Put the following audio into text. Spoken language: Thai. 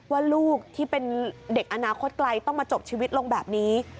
ว่าลูกที่เป็นเด็กอนาคตไกลต้องมาจบชีวิตลงแบบนี้